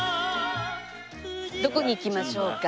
どこに行きましょうか？